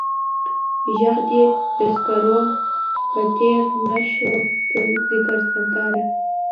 ژغ دې د سکر و، خو تېر نه شوې تر ذاکر سرداره.